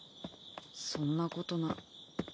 そんなことな。